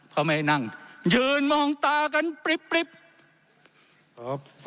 เขาไม่ให้นั่ง